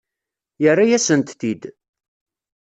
Yerra-yasent-t-id.